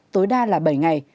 tối đa là bảy ngày